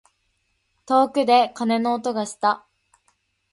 遠くで鐘の音がした。